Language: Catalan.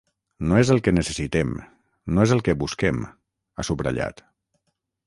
“No és el que necessitem, no és el que busquem”, ha subratllat.